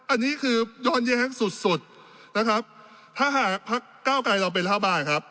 อันนี้คือย้อนแย้งสุดสุดนะครับถ้าหากพักเก้าไกรเราเป็นรัฐบาลครับ